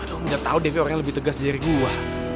aduh ga tau devin orang yang lebih tegas dari gua